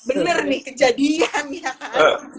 bener nih kejadian ya